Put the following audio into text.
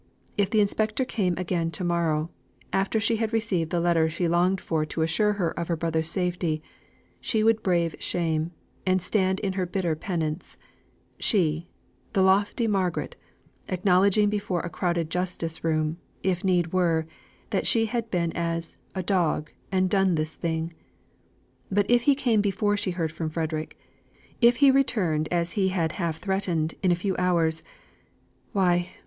If the inspector came again to morrow, after she had received the letter she longed for to assure her of her brother's safety, she would brave shame, and stand in her bitter penance she the lofty Margaret acknowledging before a crowded justice room, if need were, that she had been as "a dog, and done this thing." But if he came before she heard from Frederick; if he returned, as he had half threatened, in a few hours, why!